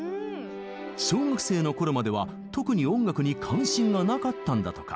小学生のころまでは特に音楽に関心がなかったんだとか。